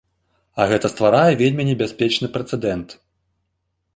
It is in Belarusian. А гэта стварае вельмі небяспечны прэцэдэнт.